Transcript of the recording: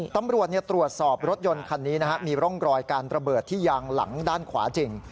ตำรวจตรวจสอบรถยนต์คันนี้มีร่องรอยการระเบิดที่ยางหลังด้านขวาจริง